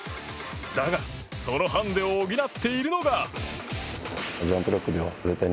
だが、そのハンデを補っているのが。